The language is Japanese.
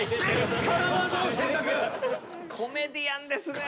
コメディアンですね。